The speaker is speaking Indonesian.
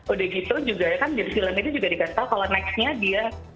udah gitu juga kan di film itu juga dikasih tau kalau next nya dia